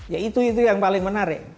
ya itu itu yang paling menarik